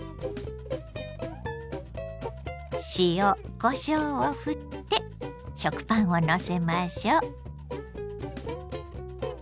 塩こしょうをふって食パンをのせましょう。